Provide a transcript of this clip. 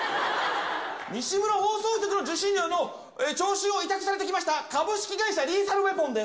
西村放送局の受信料の、徴収を委託されてきました、株式会社リーサルウェポンです。